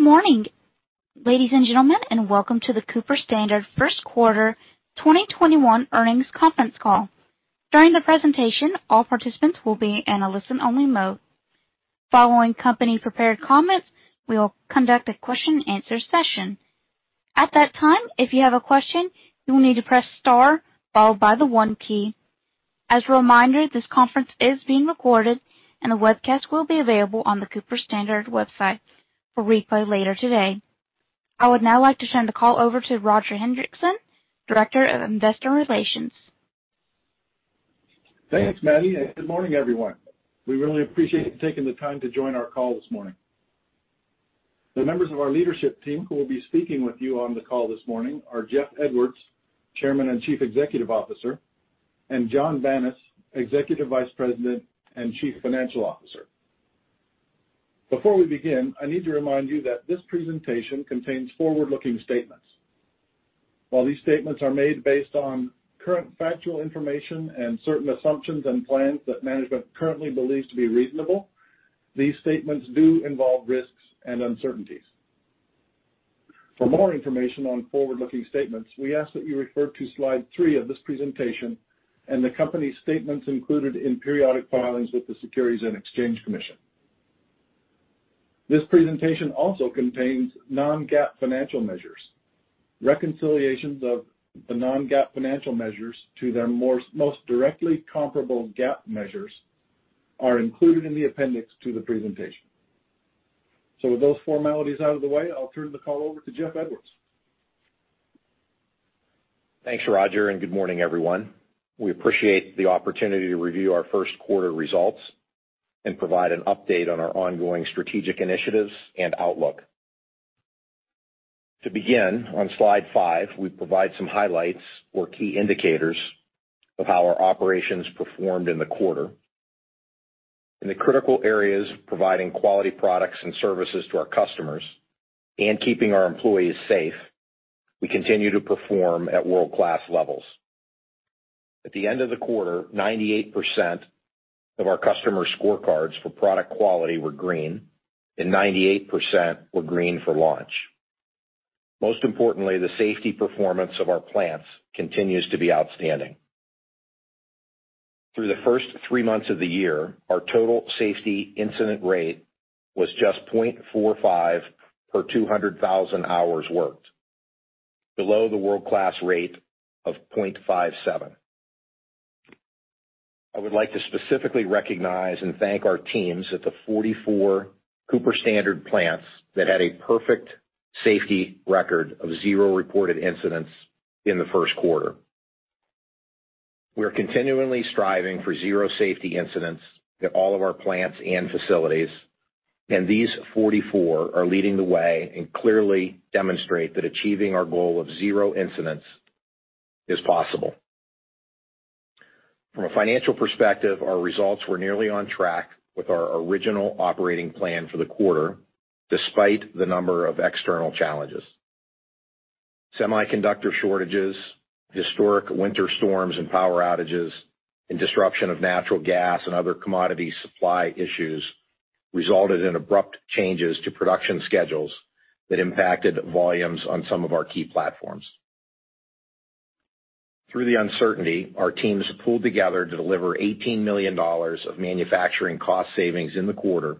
Good morning, ladies and gentlemen, and welcome to the Cooper-Standard Q1 2021 earnings conference call. During the presentation, all participants will be in a listen-only mode. Following company prepared comments, we will conduct a question and answer session. At that time, if you have a question, you will need to press star followed by the one key. As a reminder, this conference is being recorded, and a webcast will be available on the Cooper-Standard website for replay later today. I would now like to turn the call over to Roger Hendriksen, Director of Investor Relations. Thanks, Maddie. Good morning, everyone. We really appreciate you taking the time to join our call this morning. The members of our leadership team who will be speaking with you on the call this morning are Jeff Edwards, Chairman and Chief Executive Officer, and Jonathan Banas, Executive Vice President and Chief Financial Officer. Before we begin, I need to remind you that this presentation contains forward-looking statements. While these statements are made based on current factual information and certain assumptions and plans that management currently believes to be reasonable, these statements do involve risks and uncertainties. For more information on forward-looking statements, we ask that you refer to slide three of this presentation and the company's statements included in periodic filings with the Securities and Exchange Commission. This presentation also contains non-GAAP financial measures. Reconciliations of the non-GAAP financial measures to their most directly comparable GAAP measures are included in the appendix to the presentation. With those formalities out of the way, I'll turn the call over to Jeff Edwards. Thanks, Roger. Good morning, everyone. We appreciate the opportunity to review our Q1 results and provide an update on our ongoing strategic initiatives and outlook. To begin, on slide five, we provide some highlights or key indicators of how our operations performed in the quarter. In the critical areas of providing quality products and services to our customers and keeping our employees safe, we continue to perform at world-class levels. At the end of the quarter, 98% of our customer scorecards for product quality were green, and 98% were green for launch. Most importantly, the safety performance of our plants continues to be outstanding. Through the first three months of the year, our total safety incident rate was just 0.45 per 200,000 hours worked, below the world-class rate of 0.57. I would like to specifically recognize and thank our teams at the 44 Cooper-Standard plants that had a perfect safety record of zero reported incidents in the Q1. We are continually striving for zero safety incidents at all of our plants and facilities, and these 44 are leading the way and clearly demonstrate that achieving our goal of zero incidents is possible. From a financial perspective, our results were nearly on track with our original operating plan for the quarter, despite the number of external challenges. Semiconductor shortages, historic winter storms and power outages, and disruption of natural gas and other commodity supply issues resulted in abrupt changes to production schedules that impacted volumes on some of our key platforms. Through the uncertainty, our teams pulled together to deliver $18 million of manufacturing cost savings in the quarter,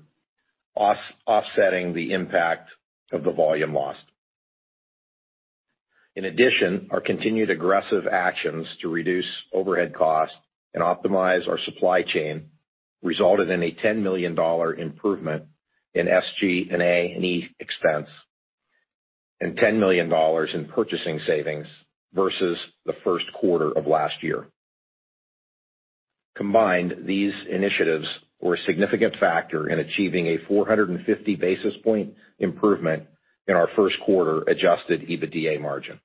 offsetting the impact of the volume lost. In addition, our continued aggressive actions to reduce overhead costs and optimize our supply chain resulted in a $10 million improvement in SGA&E expense, and $10 million in purchasing savings versus the Q1 of last year. Combined, these initiatives were a significant factor in achieving a 450 basis point improvement in our Q1 adjusted EBITDA margin.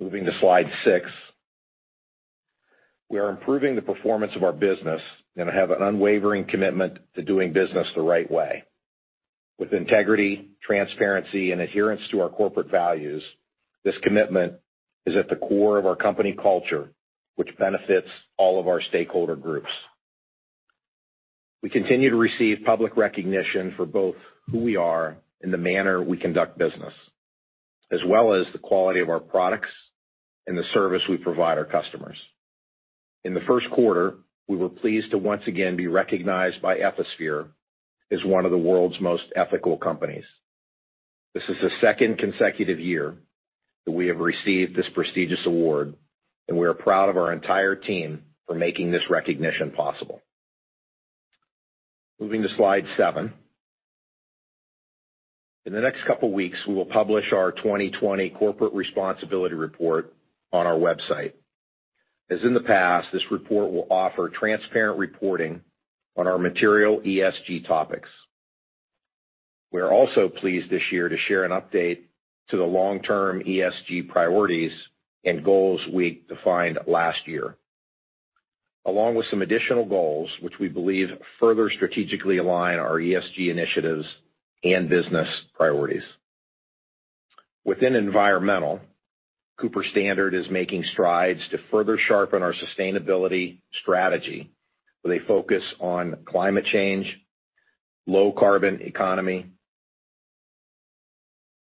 Moving to slide six. We are improving the performance of our business and have an unwavering commitment to doing business the right way. With integrity, transparency, and adherence to our corporate values, this commitment is at the core of our company culture, which benefits all of our stakeholder groups. We continue to receive public recognition for both who we are and the manner we conduct business, as well as the quality of our products and the service we provide our customers. In the Q1, we were pleased to once again be recognized by Ethisphere as one of the World's Most Ethical Companies. This is the second consecutive year that we have received this prestigious award, and we are proud of our entire team for making this recognition possible. Moving to slide seven. In the next couple of weeks, we will publish our 2020 corporate responsibility report on our website. As in the past, this report will offer transparent reporting on our material ESG topics. We are also pleased this year to share an update to the long-term ESG priorities and goals we defined last year, along with some additional goals which we believe further strategically align our ESG initiatives and business priorities. Within environmental, Cooper-Standard is making strides to further sharpen our sustainability strategy with a focus on climate change, low carbon economy.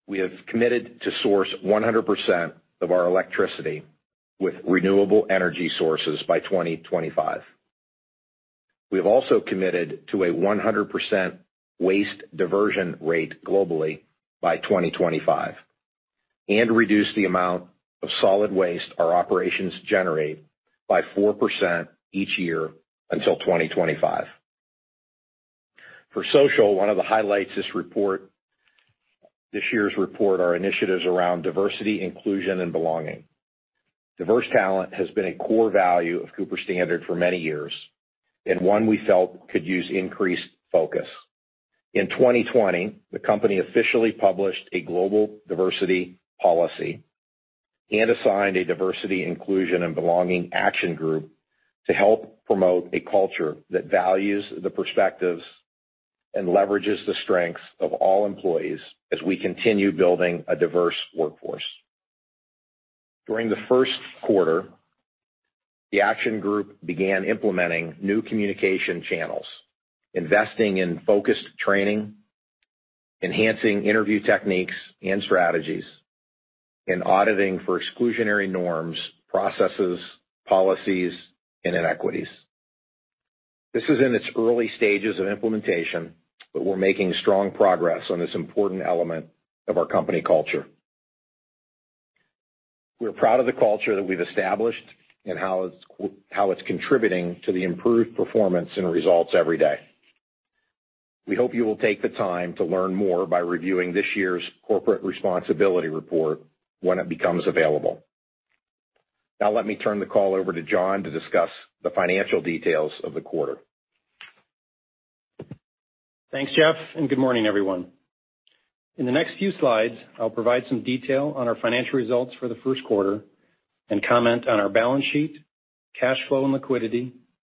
We have committed to source 100% of our electricity with renewable energy sources by 2025. We have also committed to a 100% waste diversion rate globally by 2025, and reduce the amount of solid waste our operations generate by 4% each year until 2025. For social, one of the highlights this year's report are initiatives around diversity, inclusion, and belonging. Diverse talent has been a core value of Cooper-Standard for many years, and one we felt could use increased focus. In 2020, the company officially published a global diversity policy and assigned a diversity, inclusion, and belonging action group to help promote a culture that values the perspectives and leverages the strengths of all employees as we continue building a diverse workforce. During the Q1, the action group began implementing new communication channels, investing in focused training, enhancing interview techniques and strategies, and auditing for exclusionary norms, processes, policies, and inequities. This is in its early stages of implementation, but we're making strong progress on this important element of our company culture. We're proud of the culture that we've established and how it's contributing to the improved performance and results every day. We hope you will take the time to learn more by reviewing this year's corporate responsibility report when it becomes available. Now, let me turn the call over to Jonathan Banas to discuss the financial details of the quarter. Thanks, Jeff. Good morning, everyone. In the next few slides, I'll provide some detail on our financial results for the Q1 and comment on our balance sheet, cash flow and liquidity,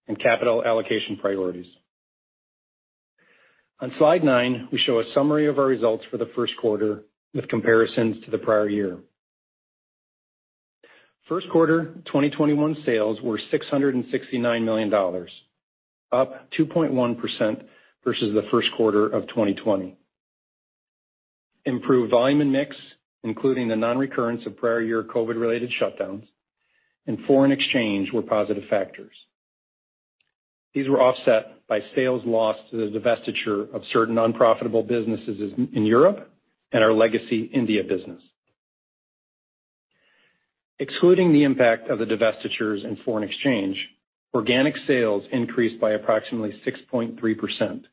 and capital allocation priorities. On slide nine, we show a summary of our results for the Q1 with comparisons to the prior year. Q1 2021 sales were $669 million, up 2.1% versus the Q1 of 2020. Improved volume and mix, including the non-recurrence of prior year COVID-related shutdowns and foreign exchange were positive factors. These were offset by sales lost to the divestiture of certain unprofitable businesses in Europe and our legacy India business. Excluding the impact of the divestitures and foreign exchange, organic sales increased by approximately 6.3%.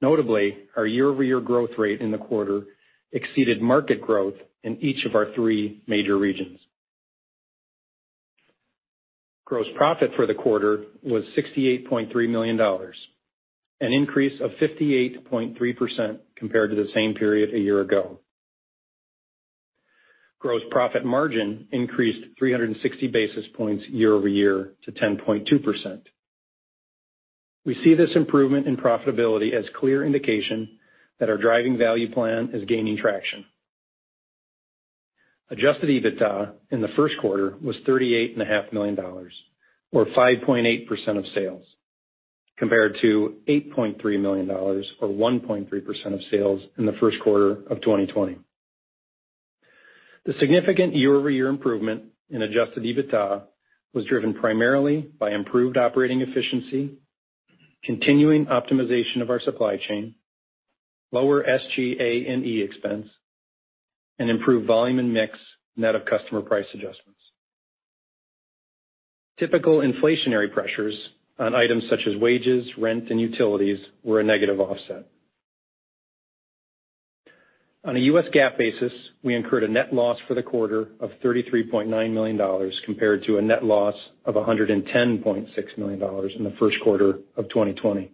Notably, our year-over-year growth rate in the quarter exceeded market growth in each of our three major regions. Gross profit for the quarter was $68.3 million, an increase of 58.3% compared to the same period a year ago. Gross profit margin increased 360 basis points year-over-year to 10.2%. We see this improvement in profitability as clear indication that our Driving Value plan is gaining traction. Adjusted EBITDA in the Q1 was $38.5 million, or 5.8% of sales, compared to $8.3 million, or 1.3% of sales in the Q1 of 2020. The significant year-over-year improvement in adjusted EBITDA was driven primarily by improved operating efficiency, continuing optimization of our supply chain, lower SGA&E expense, and improved volume and mix net of customer price adjustments. Typical inflationary pressures on items such as wages, rent, and utilities were a negative offset. n a U.S. GAAP basis, we incurred a net loss for the quarter of $33.9 million compared to a net loss of $110.6 million in the Q1 of 2020.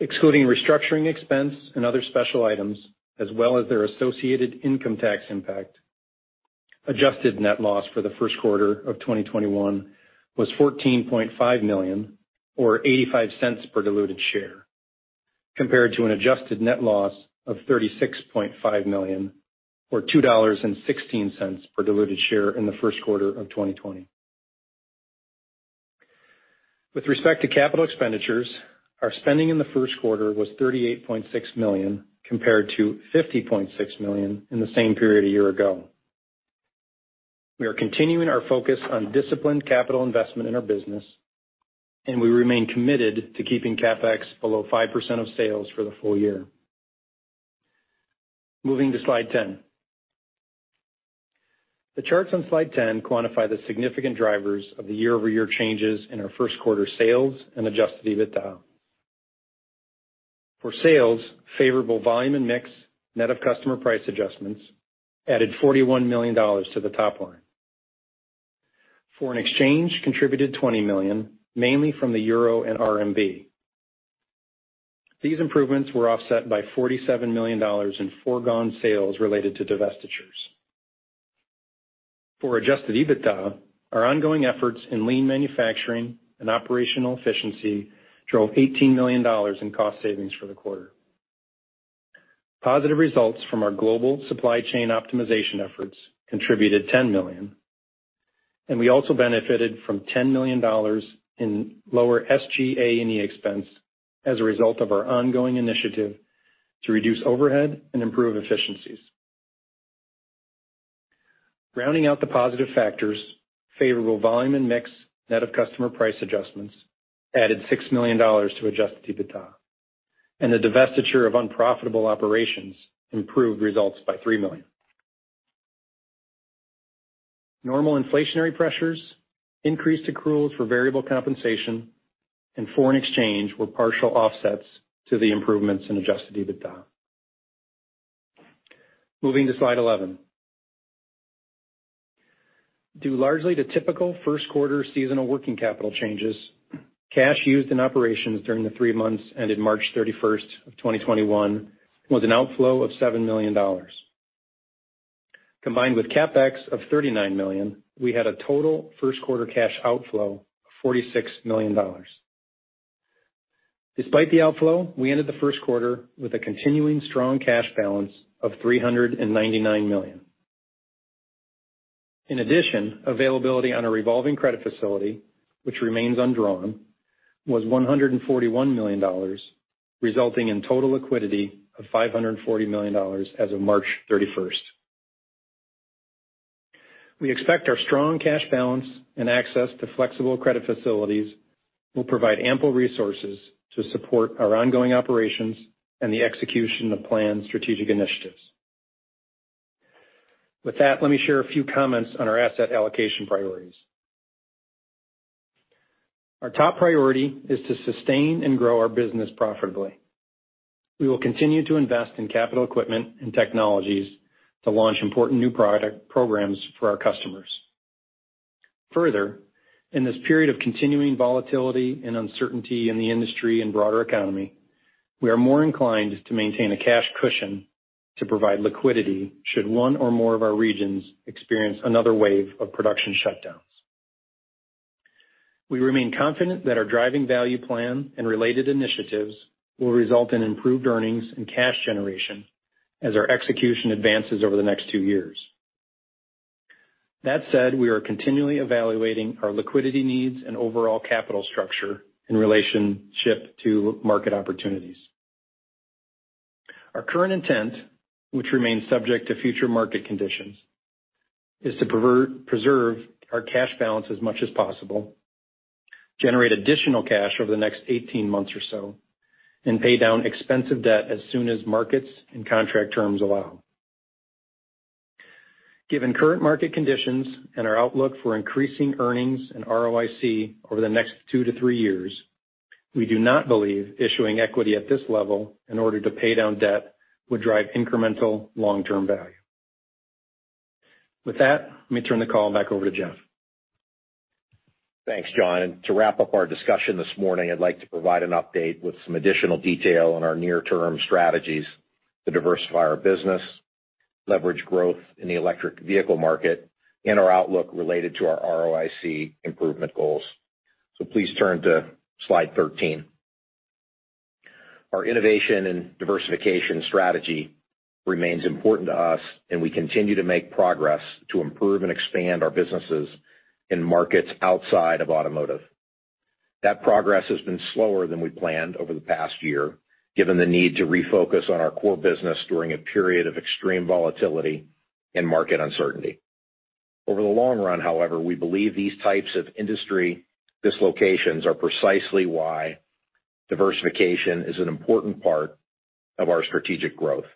Excluding restructuring expense and other special items as well as their associated income tax impact, adjusted net loss for the Q1 of 2021 was $14.5 million, or $0.85 per diluted share, compared to an adjusted net loss of $36.5 million or $2.16 per diluted share in the Q1 of 2020. With respect to capital expenditures, our spending in the Q1 was $38.6 million, compared to $50.6 million in the same period a year ago. We are continuing our focus on disciplined capital investment in our business, and we remain committed to keeping CapEx below 5% of sales for the full year. Moving to slide 10. The charts on slide 10 quantify the significant drivers of the year-over-year changes in our Q1 sales and adjusted EBITDA. For sales, favorable volume and mix net of customer price adjustments added $41 million to the top line. Foreign exchange contributed $20 million, mainly from the euro and RMB. These improvements were offset by $47 million in foregone sales related to divestitures. For adjusted EBITDA, our ongoing efforts in lean manufacturing and operational efficiency drove $18 million in cost savings for the quarter. Positive results from our global supply chain optimization efforts contributed $10 million, and we also benefited from $10 million in lower SGA&E expense as a result of our ongoing initiative to reduce overhead and improve efficiencies. Rounding out the positive factors, favorable volume and mix net of customer price adjustments added $6 million to adjusted EBITDA. The divestiture of unprofitable operations improved results by $3 million. Normal inflationary pressures, increased accruals for variable compensation, foreign exchange were partial offsets to the improvements in adjusted EBITDA. Moving to slide 11. Due largely to typical Q1 seasonal working capital changes, cash used in operations during the three months ended March 31st of 2021 was an outflow of $7 million. Combined with CapEx of $39 million, we had a total Q1 cash outflow of $46 million. Despite the outflow, we ended the Q1 with a continuing strong cash balance of $399 million. In addition, availability on a revolving credit facility, which remains undrawn, was $141 million, resulting in total liquidity of $540 million as of March 31st. We expect our strong cash balance and access to flexible credit facilities will provide ample resources to support our ongoing operations and the execution of planned strategic initiatives. With that, let me share a few comments on our asset allocation priorities. Our top priority is to sustain and grow our business profitably. We will continue to invest in capital equipment and technologies to launch important new product programs for our customers. In this period of continuing volatility and uncertainty in the industry and broader economy, we are more inclined to maintain a cash cushion to provide liquidity should one or more of our regions experience another wave of production shutdowns. We remain confident that our Driving Value plan and related initiatives will result in improved earnings and cash generation as our execution advances over the next two years. That said, we are continually evaluating our liquidity needs and overall capital structure in relationship to market opportunities. Our current intent, which remains subject to future market conditions, is to preserve our cash balance as much as possible, generate additional cash over the next 18 months or so, and pay down expensive debt as soon as markets and contract terms allow. Given current market conditions and our outlook for increasing earnings and ROIC over the next two to three years, we do not believe issuing equity at this level in order to pay down debt would drive incremental long-term value. With that, let me turn the call back over to Jeff. Thanks, John. To wrap up our discussion this morning, I'd like to provide an update with some additional detail on our near-term strategies to diversify our business, leverage growth in the electric vehicle market, and our outlook related to our ROIC improvement goals. Please turn to slide 13. Our innovation and diversification strategy remains important to us, and we continue to make progress to improve and expand our businesses in markets outside of automotive. That progress has been slower than we planned over the past year, given the need to refocus on our core business during a period of extreme volatility and market uncertainty. Over the long run, however, we believe these types of industry dislocations are precisely why diversification is an important part of our strategic growth.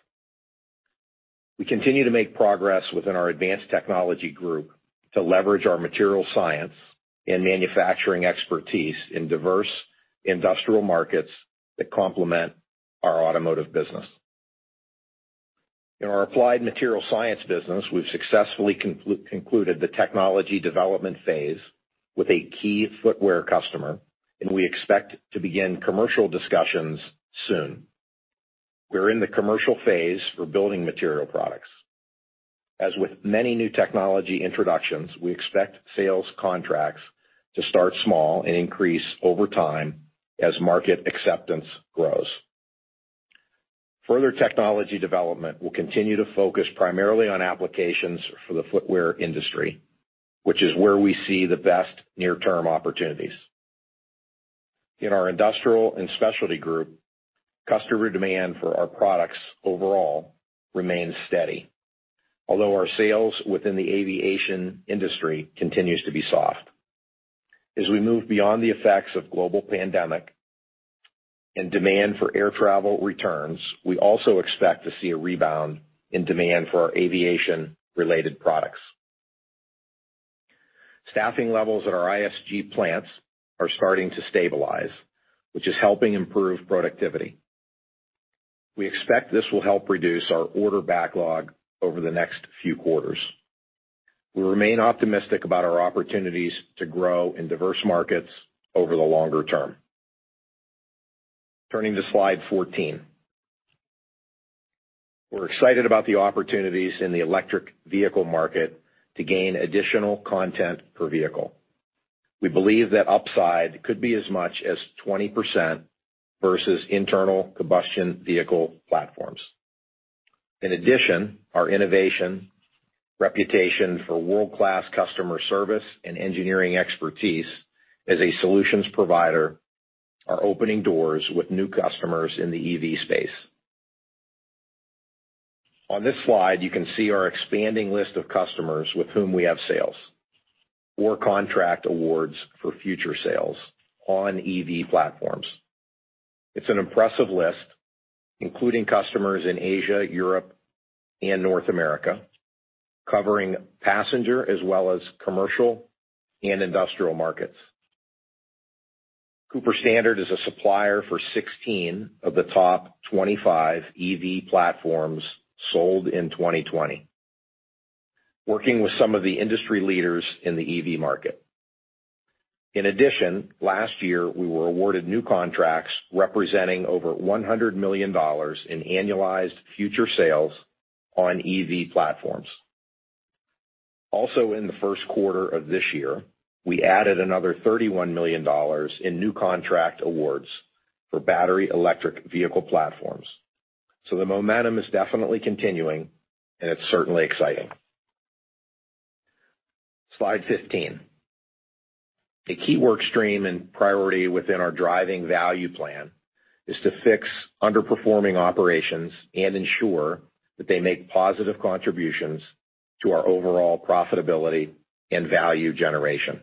We continue to make progress within our Advanced Technology Group to leverage our material science and manufacturing expertise in diverse industrial markets that complement our automotive business. In our Applied Materials Science business, we've successfully concluded the technology development phase with a key footwear customer. We expect to begin commercial discussions soon. We're in the commercial phase for building material products. As with many new technology introductions, we expect sales contracts to start small and increase over time as market acceptance grows. Further technology development will continue to focus primarily on applications for the footwear industry, which is where we see the best near-term opportunities. In our Industrial and Specialty Group, customer demand for our products overall remains steady. Our sales within the aviation industry continues to be soft. As we move beyond the effects of global pandemic and demand for air travel returns, we also expect to see a rebound in demand for our aviation-related products. Staffing levels at our ISG plants are starting to stabilize, which is helping improve productivity. We expect this will help reduce our order backlog over the next few quarters. We remain optimistic about our opportunities to grow in diverse markets over the longer term. Turning to slide 14. We're excited about the opportunities in the electric vehicle market to gain additional content per vehicle. We believe that upside could be as much as 20% versus internal combustion vehicle platforms. In addition, our innovation, reputation for world-class customer service and engineering expertise as a solutions provider are opening doors with new customers in the EV space. On this slide, you can see our expanding list of customers with whom we have sales or contract awards for future sales on EV platforms. It's an impressive list, including customers in Asia, Europe, and North America, covering passenger as well as commercial and industrial markets. Cooper-Standard is a supplier for 16 of the top 25 EV platforms sold in 2020, working with some of the industry leaders in the EV market. Last year, we were awarded new contracts representing over $100 million in annualized future sales on EV platforms. In the Q1 of this year, we added another $31 million in new contract awards for battery electric vehicle platforms. The momentum is definitely continuing, and it's certainly exciting. Slide 15. A key work stream and priority within our Driving Value plan is to fix underperforming operations and ensure that they make positive contributions to our overall profitability and value generation.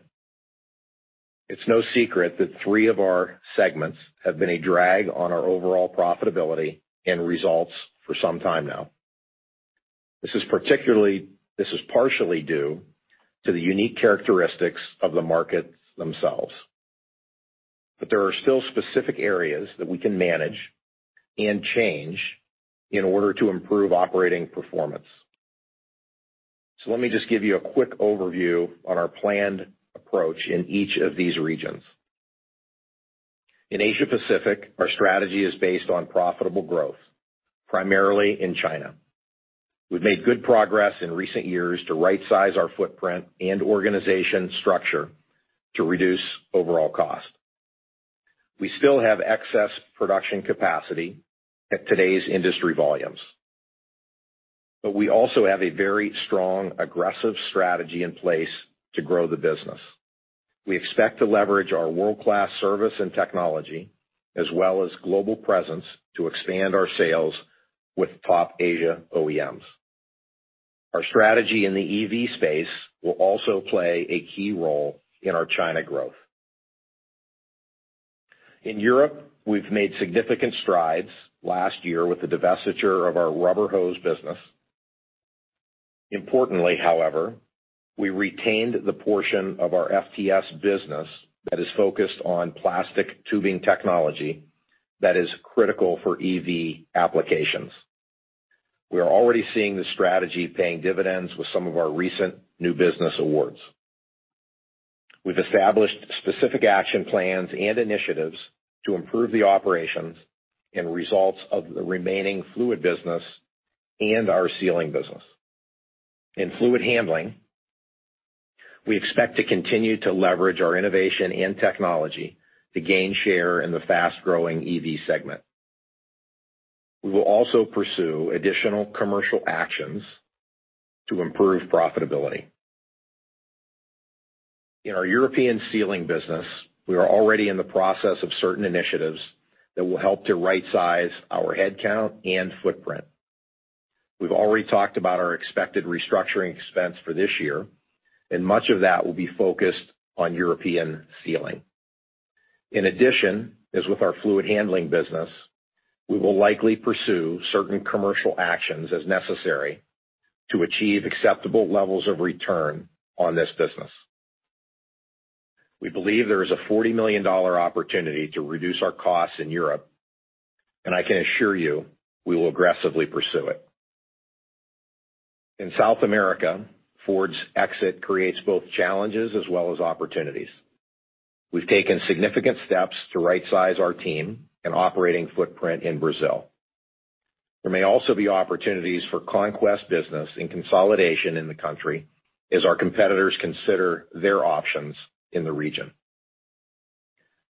It's no secret that three of our segments have been a drag on our overall profitability and results for some time now. This is partially due to the unique characteristics of the markets themselves. There are still specific areas that we can manage and change in order to improve operating performance. Let me just give you a quick overview on our planned approach in each of these regions. In Asia Pacific, our strategy is based on profitable growth, primarily in China. We've made good progress in recent years to rightsize our footprint and organization structure to reduce overall cost. We still have excess production capacity at today's industry volumes. We also have a very strong, aggressive strategy in place to grow the business. We expect to leverage our world-class service and technology, as well as global presence, to expand our sales with top Asia OEMs. Our strategy in the EV space will also play a key role in our China growth. In Europe, we've made significant strides last year with the divestiture of our rubber hose business. Importantly, however, we retained the portion of our FTS business that is focused on plastic tubing technology that is critical for EV applications. We are already seeing this strategy paying dividends with some of our recent new business awards. We've established specific action plans and initiatives to improve the operations and results of the remaining fluid business and our sealing business. In fluid handling, we expect to continue to leverage our innovation and technology to gain share in the fast-growing EV segment. We will also pursue additional commercial actions to improve profitability. In our European sealing business, we are already in the process of certain initiatives that will help to rightsize our headcount and footprint. We've already talked about our expected restructuring expense for this year. Much of that will be focused on European sealing. In addition, as with our fluid handling business, we will likely pursue certain commercial actions as necessary to achieve acceptable levels of return on this business. We believe there is a $40 million opportunity to reduce our costs in Europe, and I can assure you, we will aggressively pursue it. In South America, Ford's exit creates both challenges as well as opportunities. We've taken significant steps to rightsize our team and operating footprint in Brazil. There may also be opportunities for conquest business and consolidation in the country as our competitors consider their options in the region.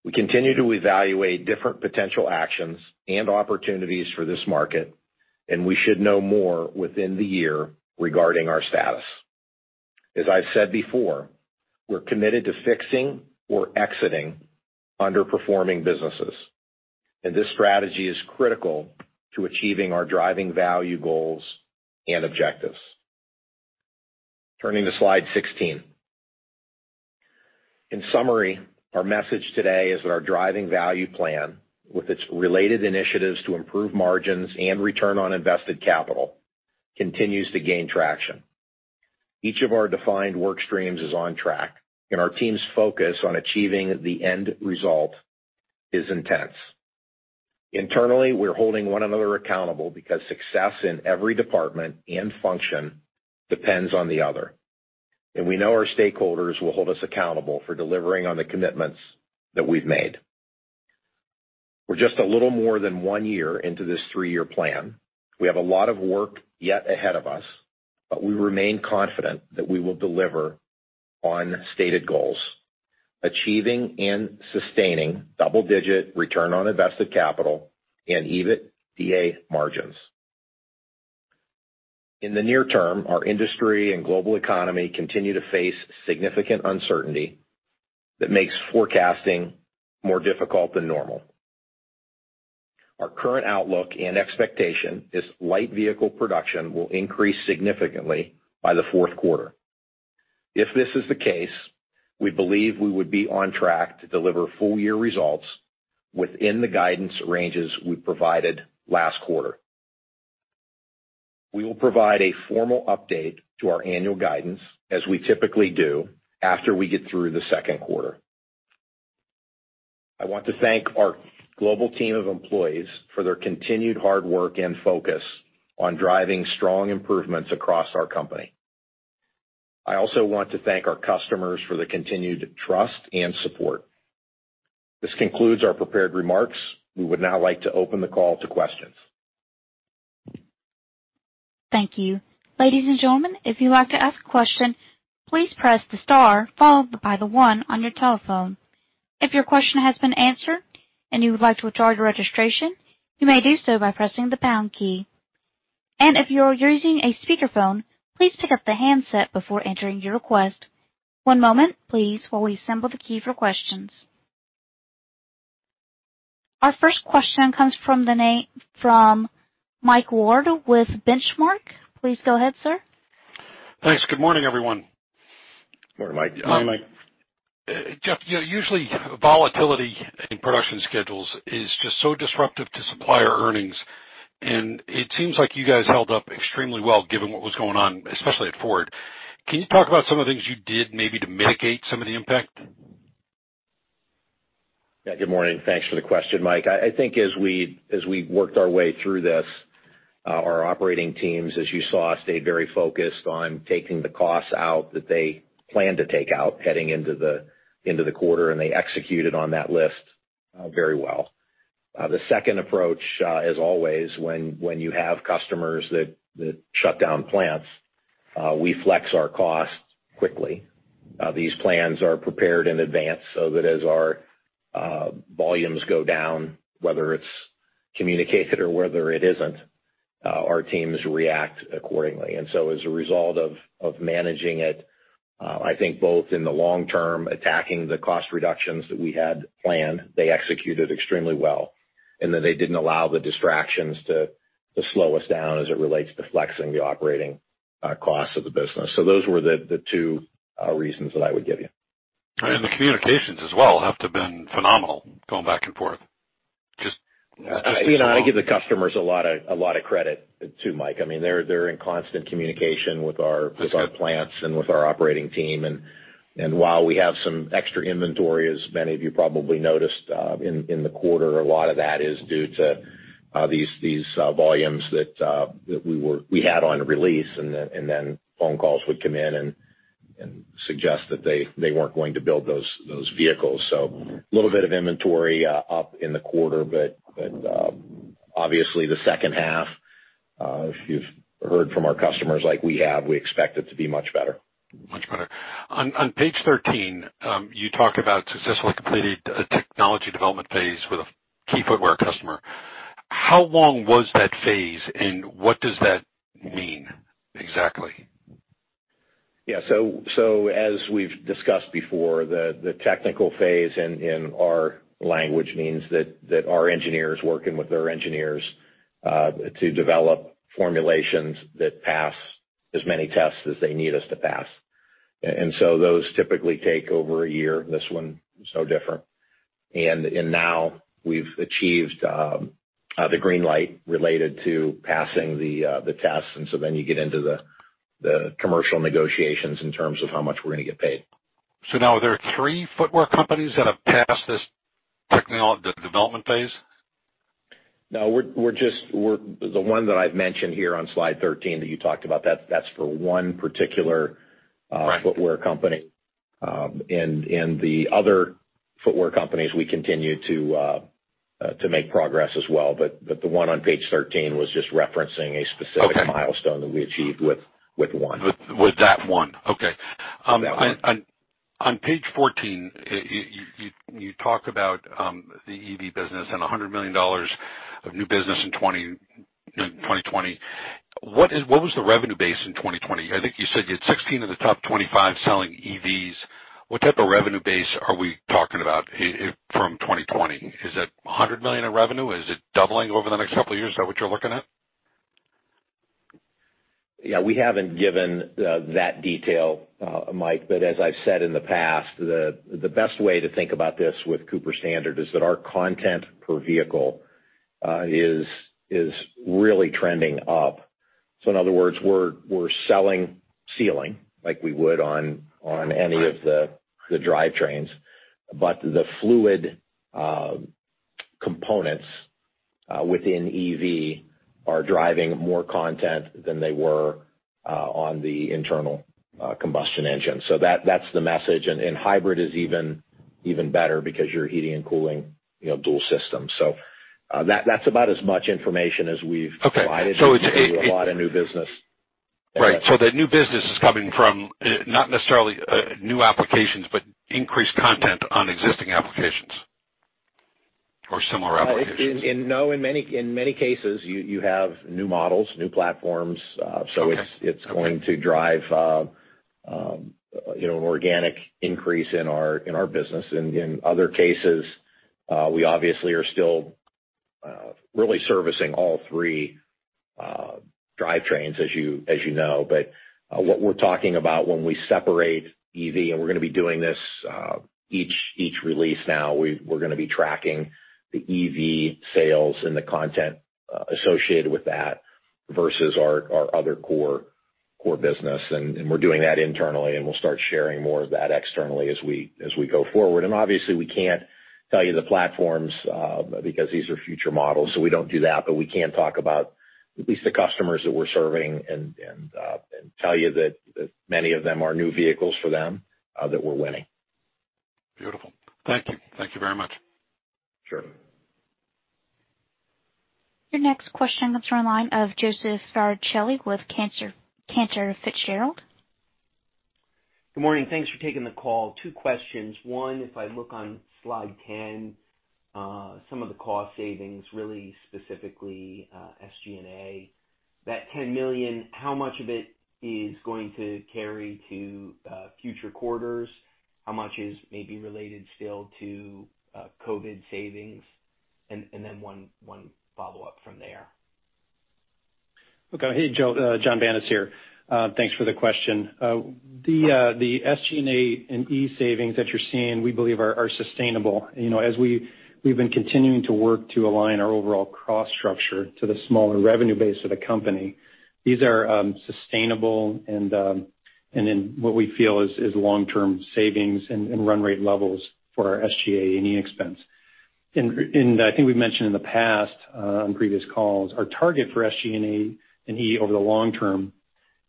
We continue to evaluate different potential actions and opportunities for this market, and we should know more within the year regarding our status. As I've said before, we're committed to fixing or exiting underperforming businesses, and this strategy is critical to achieving our Driving Value plan goals and objectives. Turning to slide 16. In summary, our message today is that our Driving Value plan, with its related initiatives to improve margins and return on invested capital, continues to gain traction. Each of our defined work streams is on track, and our team's focus on achieving the end result is intense. Internally, we're holding one another accountable because success in every department and function depends on the other. We know our stakeholders will hold us accountable for delivering on the commitments that we've made. We're just a little more than one year into this three-year plan. We have a lot of work yet ahead of us. We remain confident that we will deliver on stated goals, achieving and sustaining double-digit return on invested capital and EBITDA margins. In the near term, our industry and global economy continue to face significant uncertainty that makes forecasting more difficult than normal. Our current outlook and expectation is light vehicle production will increase significantly by the Q4. If this is the case, we believe we would be on track to deliver full year results within the guidance ranges we provided last quarter. We will provide a formal update to our annual guidance, as we typically do, after we get through the Q2. I want to thank our global team of employees for their continued hard work and focus on driving strong improvements across our company. I also want to thank our customers for their continued trust and support. This concludes our prepared remarks. We would now like to open the call to questions. Thank you. Ladies and gentlemen, if you'd like to ask a question, please press the star followed by the one on your telephone. If your question has been answered and you would like to withdraw your registration, you may do so by pressing the pound key. If you're using a speakerphone, please pick up the handset before entering your request. One moment, please, while we assemble the queue for questions. Our first question comes from Mike Ward with Benchmark. Please go ahead, sir. Thanks. Good morning, everyone. Good morning, Mike. Jeff, usually volatility in production schedules is just so disruptive to supplier earnings, and it seems like you guys held up extremely well, given what was going on, especially at Ford. Can you talk about some of the things you did maybe to mitigate some of the impact? Yeah. Good morning. Thanks for the question, Mike. I think as we worked our way through this, our operating teams, as you saw, stayed very focused on taking the costs out that they planned to take out heading into the quarter, and they executed on that list very well. The second approach, as always, when you have customers that shut down plants, we flex our costs quickly. These plans are prepared in advance so that as our volumes go down, whether it's communicated or whether it isn't, our teams react accordingly. As a result of managing it, I think both in the long term, attacking the cost reductions that we had planned, they executed extremely well, and that they didn't allow the distractions to slow us down as it relates to flexing the operating costs of the business. Those were the two reasons that I would give you. The communications as well have to have been phenomenal going back and forth. I give the customers a lot of credit, too, Mike. They're in constant communication with our plants and with our operating team. While we have some extra inventory, as many of you probably noticed in the quarter, a lot of that is due to these volumes that we had on release, and then phone calls would come in and suggest that they weren't going to build those vehicles. A little bit of inventory up in the quarter, but obviously the H2, if you've heard from our customers like we have, we expect it to be much better. Much better. On page 13, you talk about successfully completed a technology development phase with a key footwear customer. How long was that phase, and what does that mean exactly? Yeah. As we've discussed before, the technical phase in our language means that our engineers working with their engineers to develop formulations that pass as many tests as they need us to pass. Those typically take over a year. This one was no different. Now we've achieved the green light related to passing the tests, then you get into the commercial negotiations in terms of how much we're going to get paid. Now are there three footwear companies that have passed this development phase? No. The one that I've mentioned here on slide 13 that you talked about, that's for one particular footwear company. The other footwear companies, we continue to make progress as well. The one on page 13 was just referencing a specific milestone that we achieved with one. With that one. Okay. That one. On page 14, you talk about the EV business and $100 million of new business in 2020. What was the revenue base in 2020? I think you said you had 16 of the top 25 selling EVs. What type of revenue base are we talking about from 2020? Is that $100 million of revenue? Is it doubling over the next couple of years? Is that what you're looking at? Yeah. We haven't given that detail, Mike. As I've said in the past, the best way to think about this with Cooper-Standard is that our content per vehicle is really trending up. In other words, we're selling sealing like we would on any of the drivetrains. The fluid components within EV are driving more content than they were on the internal combustion engine. That's the message. Hybrid is even better because you're heating and cooling dual systems. That's about as much information as we've provided you with a lot of new business. Right. That new business is coming from not necessarily new applications, but increased content on existing applications or similar applications. No. In many cases, you have new models, new platforms. Okay It's going to drive an organic increase in our business. In other cases, we obviously are still really servicing all three drivetrains, as you know. What we're talking about when we separate EV, and we're going to be doing this each release now, we're going to be tracking the EV sales and the content associated with that versus our other core business. We're doing that internally, and we'll start sharing more of that externally as we go forward. Obviously, we can't tell you the platforms because these are future models, we don't do that. We can talk about at least the customers that we're serving and tell you that many of them are new vehicles for them that we're winning. Beautiful. Thank you. Thank you very much. Sure. Your next question comes from the line of Joseph Spadaccini with Cantor Fitzgerald. Good morning. Thanks for taking the call. Two questions. One, if I look on slide 10, some of the cost savings, really specifically SG&A, that $10 million, how much of it is going to carry to future quarters? How much is maybe related still to COVID savings? One follow-up from there. Okay. Hey, Joe. Jonathan Banas here. Thanks for the question. The SGA&E savings that you're seeing, we believe, are sustainable. As we've been continuing to work to align our overall cost structure to the smaller revenue base of the company, these are sustainable and in what we feel is long-term savings and run rate levels for our SGA&E expense. I think we've mentioned in the past on previous calls, our target for SGA&E over the long term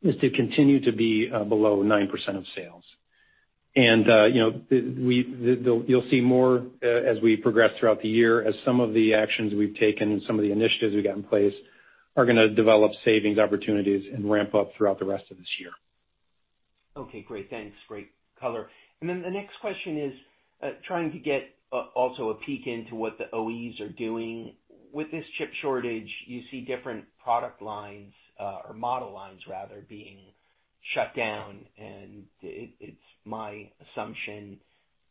is to continue to be below 9% of sales. You'll see more as we progress throughout the year, as some of the actions we've taken and some of the initiatives we've got in place are going to develop savings opportunities and ramp up throughout the rest of this year. Okay, great. Thanks. Great color. The next question is trying to get also a peek into what the OEs are doing. With this chip shortage, you see different product lines or model lines rather being shut down, and it's my assumption,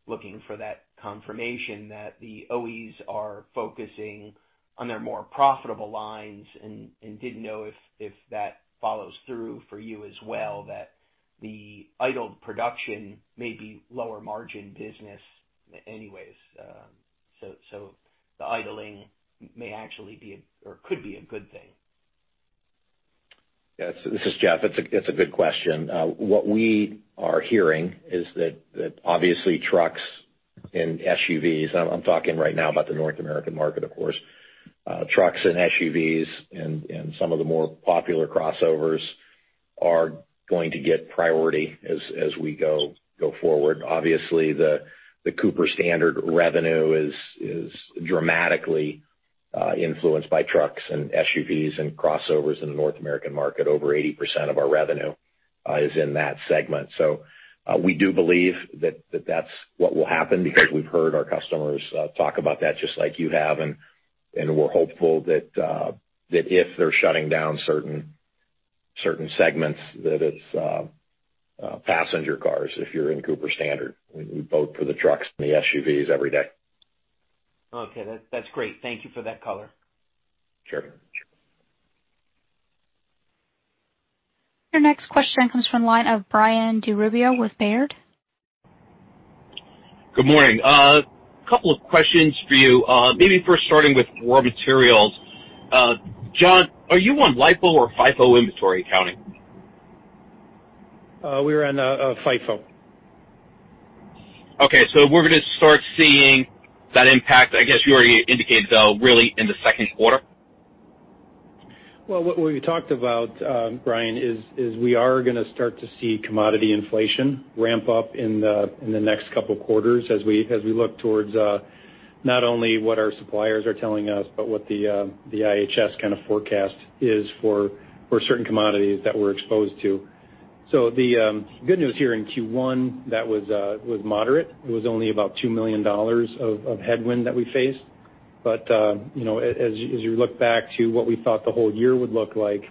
looking for that confirmation, that the OEs are focusing on their more profitable lines. Didn't know if that follows through for you as well, that the idled production may be lower margin business anyways. The idling may actually be or could be a good thing. Yeah. This is Jeff. It's a good question. What we are hearing is that obviously trucks and SUVs, I'm talking right now about the North American market, of course. Trucks and SUVs and some of the more popular crossovers are going to get priority as we go forward. Obviously, the Cooper-Standard revenue is dramatically influenced by trucks and SUVs and crossovers in the North American market. Over 80% of our revenue is in that segment. We do believe that that's what will happen because we've heard our customers talk about that just like you have, and we're hopeful that if they're shutting down certain segments, that it's passenger cars, if you're in Cooper-Standard. We vote for the trucks and the SUVs every day. Okay. That's great. Thank you for that color. Sure. Your next question comes from the line of Brian DeRubio with Baird. Good morning. A couple of questions for you. First starting with raw materials. John, are you on LIFO or FIFO inventory accounting? We're on FIFO. Okay. We're going to start seeing that impact, I guess you already indicated, though, really in the Q2? What we talked about, Brian, is we are going to start to see commodity inflation ramp up in the next couple of quarters as we look towards not only what our suppliers are telling us, but what the IHS Markit kind of forecast is for certain commodities that we're exposed to. The good news here in Q1, that was moderate. It was only about $2 million of headwind that we faced. As you look back to what we thought the whole year would look like,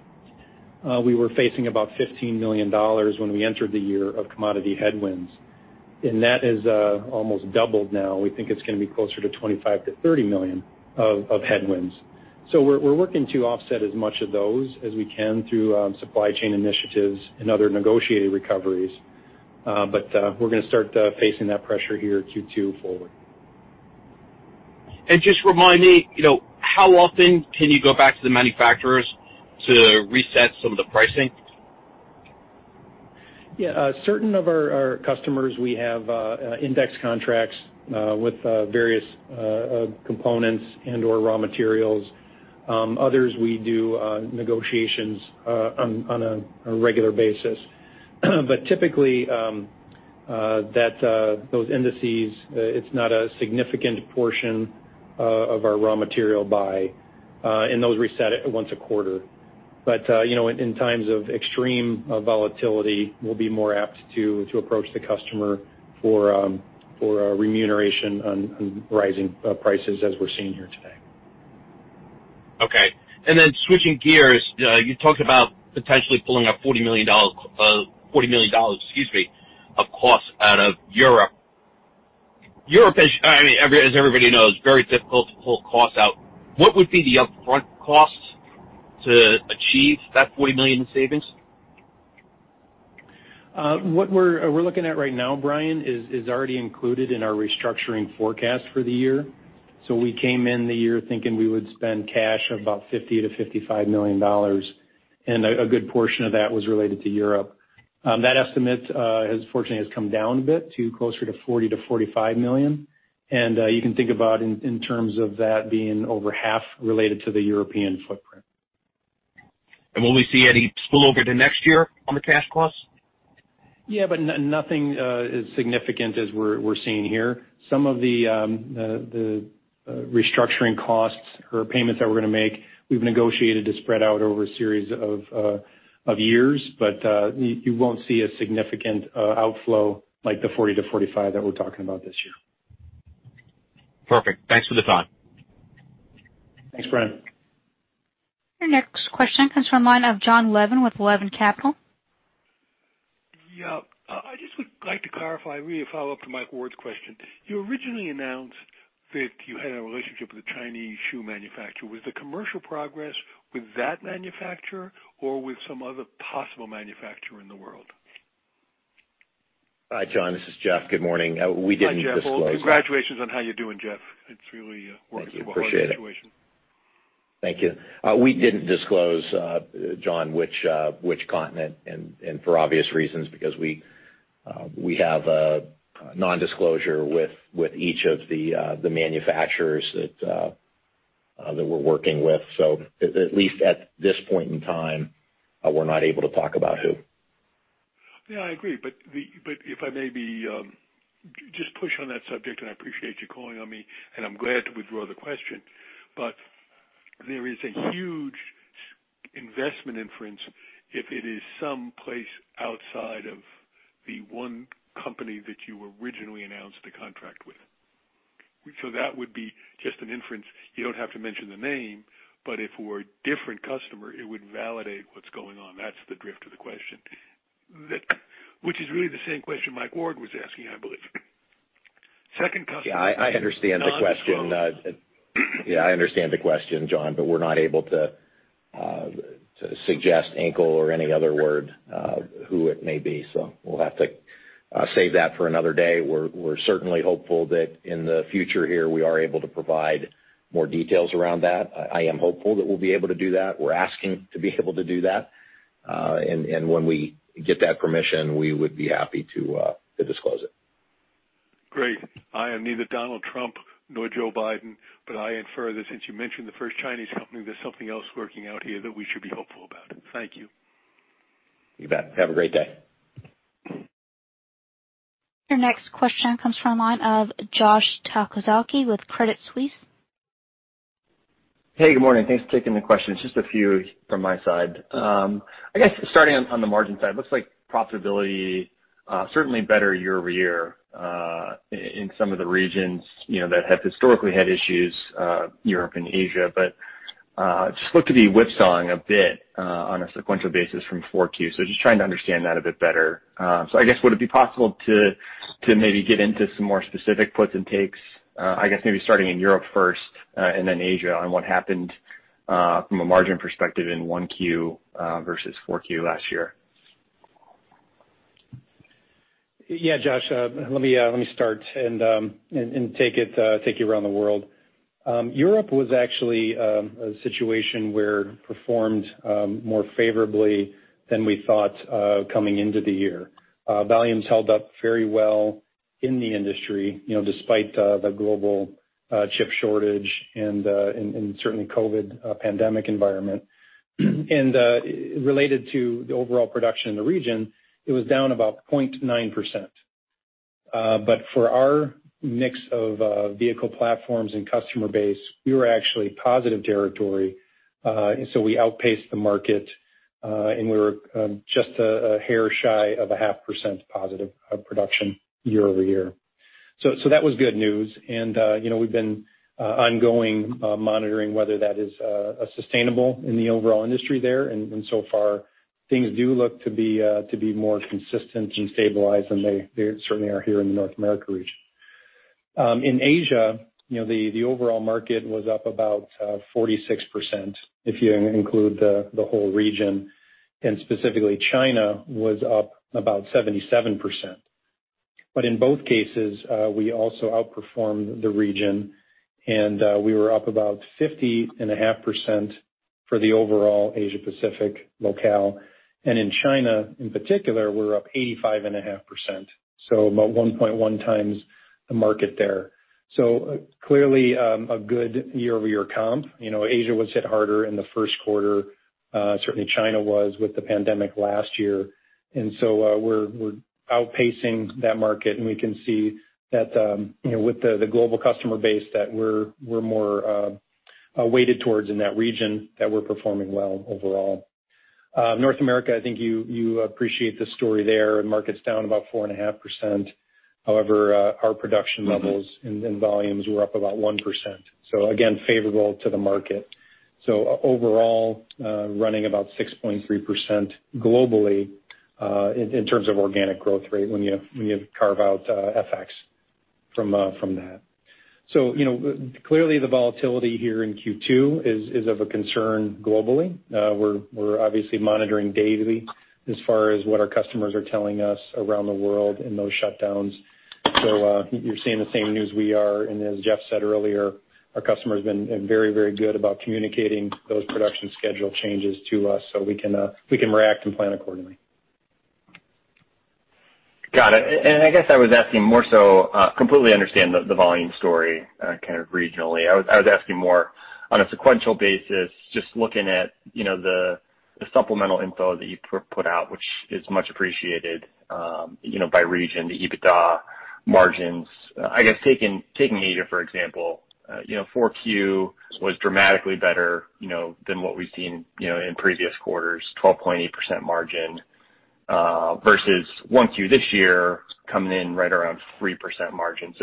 we were facing about $15 million when we entered the year of commodity headwinds, and that has almost doubled now. We think it's going to be closer to $25 million-$30 million of headwinds. We're working to offset as much of those as we can through supply chain initiatives and other negotiated recoveries. We're going to start facing that pressure here Q2 forward. Just remind me, how often can you go back to the manufacturers to reset some of the pricing? Yeah. Certain of our customers, we have index contracts with various components and/or raw materials. Others, we do negotiations on a regular basis. Typically, those indices, it's not a significant portion of our raw material buy, and those reset once a quarter. In times of extreme volatility, we'll be more apt to approach the customer for a remuneration on rising prices as we're seeing here today. Okay. Switching gears, you talked about potentially pulling up $40 million of cost out of Europe. Europe, as everybody knows, very difficult to pull cost out. What would be the upfront costs to achieve that $40 million in savings? What we're looking at right now, Brian, is already included in our restructuring forecast for the year. We came in the year thinking we would spend cash of about $50 million-$55 million, and a good portion of that was related to Europe. That estimate, fortunately, has come down a bit to closer to $40 million-$45 million. You can think about in terms of that being over half related to the European footprint. Will we see any spill over to next year on the cash costs? Yeah, nothing as significant as we're seeing here. Some of the restructuring costs or payments that we're gonna make, we've negotiated to spread out over a series of years. You won't see a significant outflow like the $40 million-$45 million that we're talking about this year. Perfect. Thanks for the time. Thanks, Brian. Your next question comes from line of John Levin with Levin Capital. Yeah. I just would like to clarify, really follow up to Mike Ward's question. You originally announced that you had a relationship with a Chinese shoe manufacturer. Was the commercial progress with that manufacturer or with some other possible manufacturer in the world? Hi, John, this is Jeff. Good morning. We didn't disclose. Hi, Jeff. Oh, congratulations on how you're doing, Jeff. It's really a horrible situation. Thank you. Appreciate it. Thank you. We didn't disclose, John, which continent, and for obvious reasons, because we have a non-disclosure with each of the manufacturers that we're working with. At least at this point in time, we're not able to talk about who. I agree, but if I may just push on that subject, and I appreciate you calling on me, and I'm glad to withdraw the question. There is a huge investment inference if it is some place outside of the one company that you originally announced the contract with. That would be just an inference. You don't have to mention the name. If it were a different customer, it would validate what's going on. That's the drift of the question. Which is really the same question Mike Ward was asking, I believe. Yeah, I understand the question. Non-shoe. I understand the question, John, we're not able to suggest, ankle or any other word, who it may be. We'll have to save that for another day. We're certainly hopeful that in the future here, we are able to provide more details around that. I am hopeful that we'll be able to do that. We're asking to be able to do that. When we get that permission, we would be happy to disclose it. Great. I am neither Donald Trump nor Joe Biden, but I infer that since you mentioned the first Chinese company, there's something else working out here that we should be hopeful about. Thank you. You bet. Have a great day. Your next question comes from line of Dan Levy with Credit Suisse. Hey, good morning. Thanks for taking the questions. Just a few from my side. I guess starting on the margin side, looks like profitability certainly better year-over-year in some of the regions that have historically had issues, Europe and Asia. Just look to be whipsawing a bit on a sequential basis from Q4. Just trying to understand that a bit better. I guess, would it be possible to maybe get into some more specific puts and takes? I guess maybe starting in Europe first and then Asia on what happened, from a margin perspective in Q1 versus Q4 last year. Yeah, Dan Levy. Let me start and take you around the world. Europe was actually a situation where it performed more favorably than we thought, coming into the year. Volumes held up very well in the industry despite the global chip shortage and certainly COVID pandemic environment. Related to the overall production in the region, it was down about 0.9%. For our mix of vehicle platforms and customer base, we were actually positive territory. We outpaced the market, and we were just a hair shy of 0.5% of production year-over-year. That was good news, and we've been ongoing monitoring whether that is sustainable in the overall industry there, and so far things do look to be more consistent and stabilized than they certainly are here in the North America region. In Asia, the overall market was up about 46%, if you include the whole region, and specifically China was up about 77%. But in both cases, we also outperformed the region, and we were up about 50.5% for the overall Asia Pacific locale. In China, in particular, we were up 85.5%, so about 1.1x the market there. Clearly, a good year-over-year comp. Asia was hit harder in the Q1. Certainly, China was with the pandemic last year. We're outpacing that market, and we can see that with the global customer base that we're more weighted towards in that region that we're performing well overall. North America, I think you appreciate the story there. The market's down about 4.5%. However, our production levels and volumes were up about 1%. Again, favorable to the market. Overall, running about 6.3% globally in terms of organic growth rate when you carve out FX from that. Clearly the volatility here in Q2 is of a concern globally. We're obviously monitoring daily as far as what our customers are telling us around the world in those shutdowns. You're seeing the same news we are, and as Jeff said earlier, our customers have been very good about communicating those production schedule changes to us so we can react and plan accordingly. Got it. I guess I was asking more so, completely understand the volume story kind of regionally. I was asking more on a sequential basis, just looking at the supplemental info that you put out, which is much appreciated by region, the EBITDA margins. I guess, taking Asia for example, Q4 was dramatically better than what we've seen in previous quarters, 12.8% margin, versus Q1 this year coming in right around 3% margin.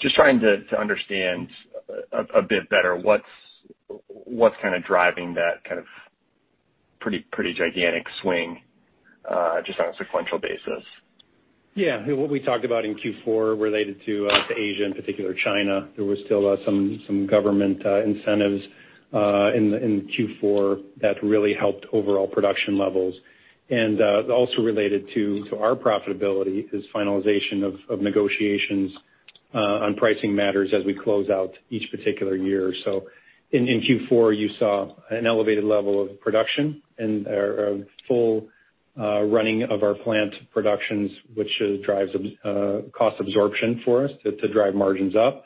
Just trying to understand a bit better what's kind of driving that kind of pretty gigantic swing just on a sequential basis. What we talked about in Q4 related to Asia, in particular China, there was still some government incentives in Q4 that really helped overall production levels. Also related to our profitability is finalization of negotiations on pricing matters as we close out each particular year. In Q4, you saw an elevated level of production and our full running of our plant productions, which drives cost absorption for us to drive margins up,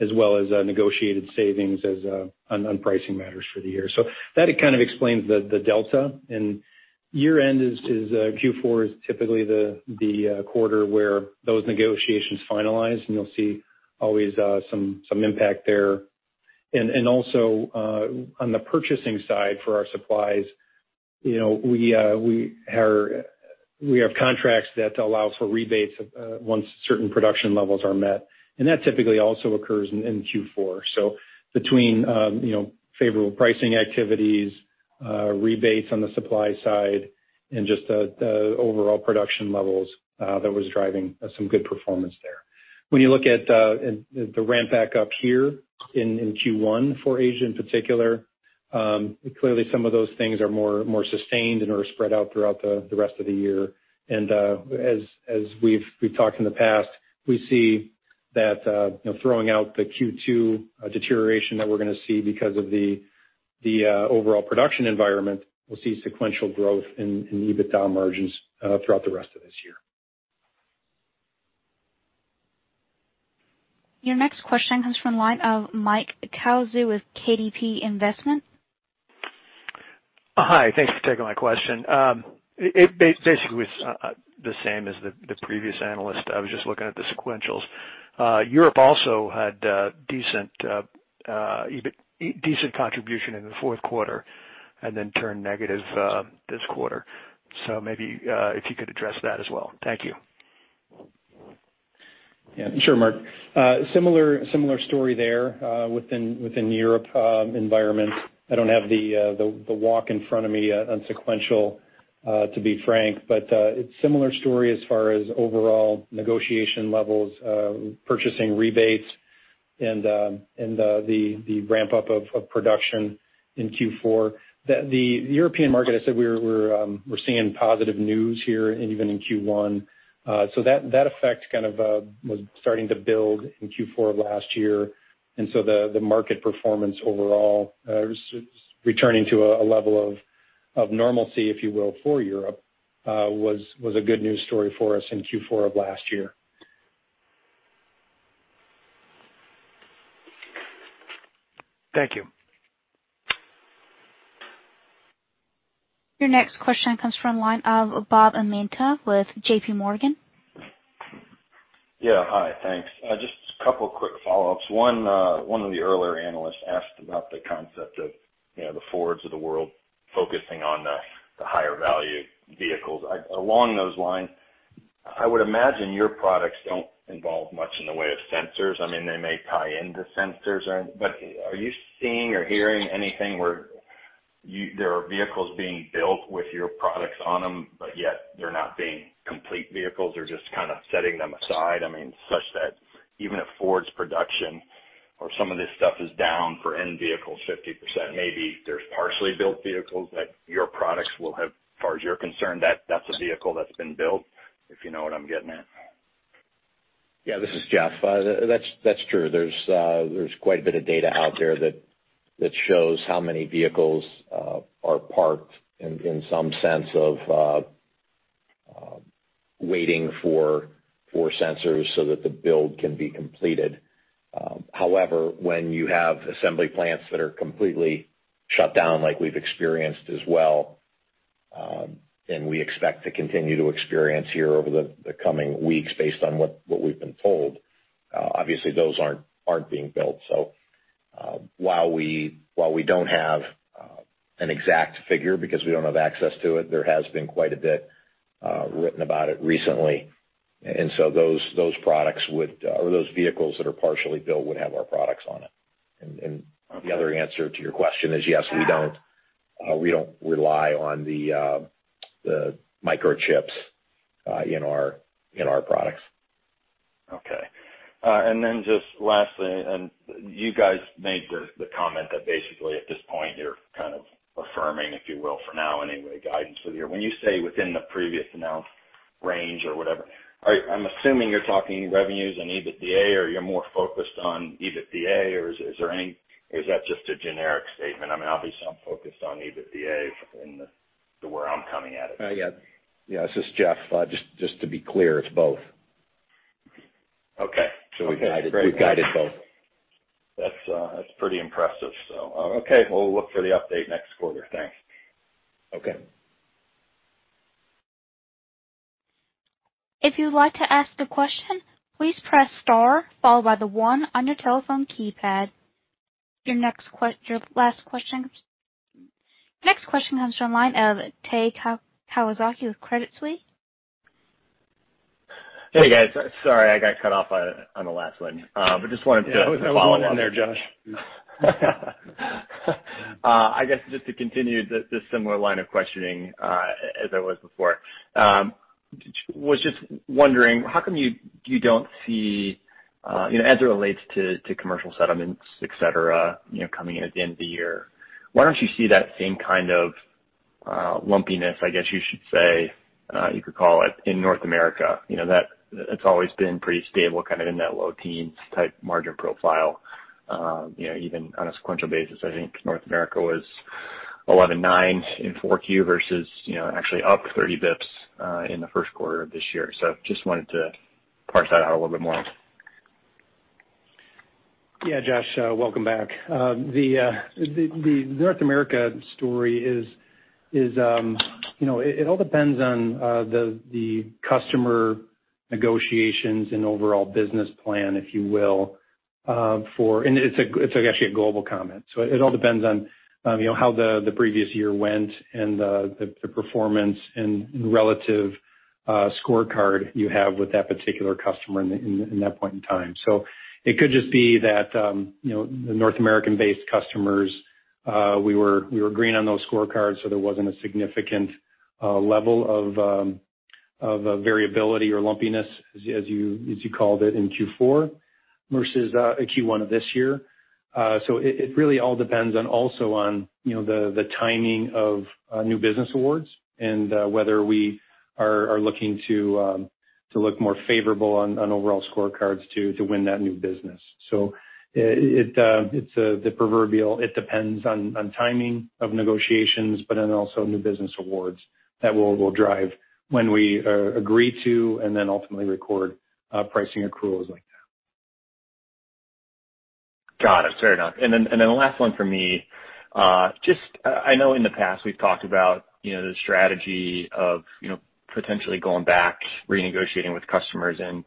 as well as negotiated savings on pricing matters for the year. That kind of explains the delta. Year-end Q4 is typically the quarter where those negotiations finalize, and you'll see always some impact there. Also on the purchasing side for our supplies, we have contracts that allow for rebates once certain production levels are met, and that typically also occurs in Q4. Between favorable pricing activities, rebates on the supply side, and just the overall production levels that was driving some good performance there. When you look at the ramp back up here in Q1 for Asia in particular, clearly some of those things are more sustained and are spread out throughout the rest of the year. As we've talked in the past, we see that throwing out the Q2 deterioration that we're going to see because of the overall production environment, we'll see sequential growth in EBITDA margins throughout the rest of this year. Your next question comes from the line of Mike Kawzu with KDP Investment. Hi. Thanks for taking my question. It basically was the same as the previous analyst. I was just looking at the sequentials. Europe also had decent contribution in the Q4 and then turned negative this quarter. Maybe if you could address that as well. Thank you. Yeah. Sure, Mike. Similar story there within Europe environment. I don't have the walk in front of me on sequential, to be frank, but it's similar story as far as overall negotiation levels, purchasing rebates, and the ramp-up of production in Q4. The European market, I said we're seeing positive news here and even in Q1. That effect kind of was starting to build in Q4 of last year, and so the market performance overall is returning to a level of normalcy, if you will, for Europe was a good news story for us in Q4 of last year. Thank you. Your next question comes from line of Ryan Brinkman with JPMorgan. Yeah. Hi. Thanks. Just a couple quick follow-ups. One of the earlier analysts asked about the concept of the Fords of the world focusing on the higher value vehicles. Along those lines, I would imagine your products don't involve much in the way of sensors. I mean, they may tie into sensors. Are you seeing or hearing anything where there are vehicles being built with your products on them, but yet they're not being complete vehicles? They're just kind of setting them aside? such that even if Ford's production or some of this stuff is down for end vehicles 50%, maybe there's partially built vehicles that your products will have, as far as you're concerned, that's a vehicle that's been built. If you know what I'm getting at. Yeah, this is Jeff. That's true. There's quite a bit of data out there that shows how many vehicles are parked in some sense of waiting for sensors so that the build can be completed. However, when you have assembly plants that are completely shut down like we've experienced as well, and we expect to continue to experience here over the coming weeks based on what we've been told, obviously those aren't being built. While we don't have an exact figure because we don't have access to it, there has been quite a bit written about it recently. Those products or those vehicles that are partially built would have our products on it. The other answer to your question is yes, we don't rely on the microchips in our products. Okay. Then just lastly, and you guys made the comment that basically at this point you're kind of affirming, if you will, for now anyway, guidance for the year. When you say within the previous announced range or whatever, I'm assuming you're talking revenues and EBITDA, or you're more focused on EBITDA, or is that just a generic statement? I mean, obviously I'm focused on EBITDA in the, where I'm coming at it. Yeah. This is Jeff. Just to be clear, it's both. Okay. We got it. We guided both. That's pretty impressive. Okay. We'll look for the update next quarter. Thanks. Okay. If you'd like to ask a question, please press star followed by the one on your telephone keypad. Your last question. Next question comes from the line of Dan Levy with Credit Suisse. Hey, guys. Sorry, I got cut off on the last one. Just wanted to follow on there. Yeah, I wasn't in there, Dan Levy. I guess just to continue this similar line of questioning as I was before. Was just wondering how come you don't see, as it relates to commercial settlements, et cetera, coming in at the end of the year, why don't you see that same kind of lumpiness, I guess you should say, you could call it, in North America? It's always been pretty stable, kind of in that low teens type margin profile. Even on a sequential basis, I think North America was 11.9% in Q4 versus actually up 30 basis points in the Q1 of this year. I just wanted to parse that out a little bit more. Yeah, Dan Levy. Welcome back. The North America story is, it all depends on the customer negotiations and overall business plan, if you will. It's actually a global comment. It all depends on how the previous year went and the performance and relative scorecard you have with that particular customer in that point in time. It could just be that the North American-based customers, we were green on those scorecards, so there wasn't a significant level of variability or lumpiness, as you called it, in Q4 versus Q1 of this year. It really all depends on also on the timing of new business awards and whether we are looking to look more favorable on overall scorecards to win that new business. It's the proverbial, it depends on timing of negotiations, but then also new business awards that will drive when we agree to and then ultimately record pricing accruals like that. Got it. Fair enough. The last one for me. I know in the past we've talked about the strategy of potentially going back, renegotiating with customers, and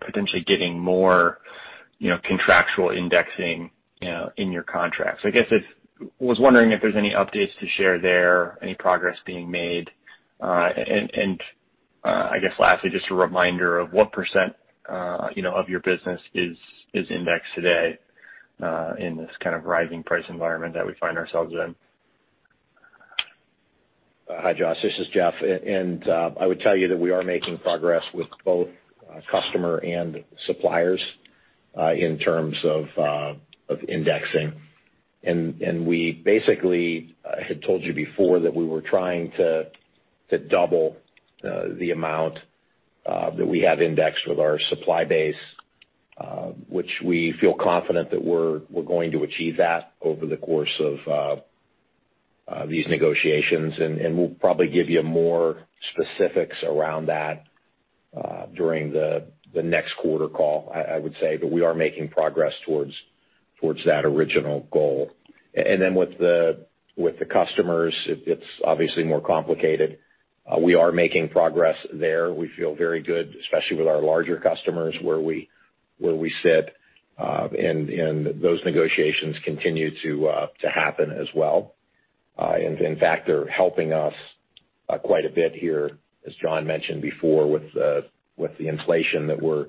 potentially getting more contractual indexing in your contracts. I guess I was wondering if there's any updates to share there, any progress being made. I guess lastly, just a reminder of what percent of your business is indexed today in this kind of rising price environment that we find ourselves in. Hi, Dan. This is Jeff. I would tell you that we are making progress with both customer and suppliers in terms of indexing. We basically had told you before that we were trying to double the amount that we have indexed with our supply base, which we feel confident that we're going to achieve that over the course of these negotiations. We'll probably give you more specifics around that during the next quarter call, I would say. We are making progress towards that original goal. With the customers, it's obviously more complicated. We are making progress there. We feel very good, especially with our larger customers, where we sit, and those negotiations continue to happen as well. In fact, they're helping us quite a bit here, as Jonathan Banas mentioned before, with the inflation that we're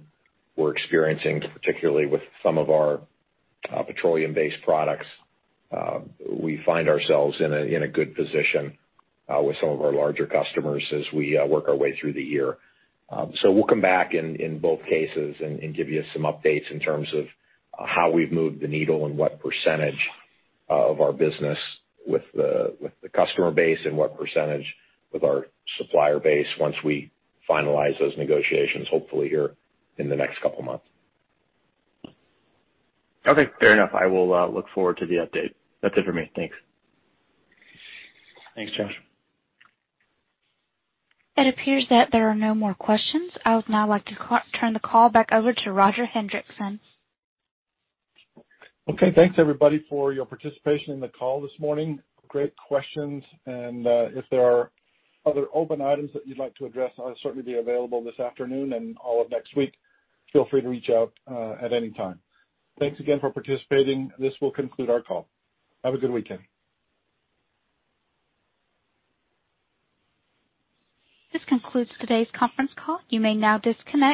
experiencing, particularly with some of our petroleum-based products. We find ourselves in a good position with some of our larger customers as we work our way through the year. We'll come back in both cases and give you some updates in terms of how we've moved the needle and what percentage of our business with the customer base and what percentage with our supplier base once we finalize those negotiations, hopefully here in the next couple of months. Okay, fair enough. I will look forward to the update. That's it for me, thanks. Thanks, Dan Levy. It appears that there are no more questions. I would now like to turn the call back over to Roger Hendriksen. Okay. Thanks, everybody, for your participation in the call this morning. Great questions. If there are other open items that you'd like to address, I'll certainly be available this afternoon and all of next week. Feel free to reach out at any time. Thanks again for participating. This will conclude our call. Have a good weekend. This concludes today's conference call. You may now disconnect.